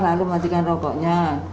lalu matikan rokoknya